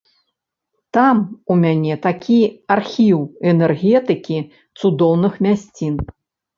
Там у мяне такі архіў энергетыкі цудоўных мясцін.